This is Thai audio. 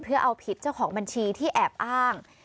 เพื่อเอาผิดเจ้าของบัญชีที่แอบอ้าง